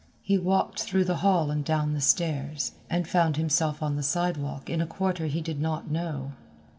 He walked through the hall and down the stairs, and found himself on the sidewalk in a quarter he did not know.